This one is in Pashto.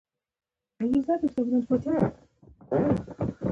د خپل تاریخ او کلتور له امله.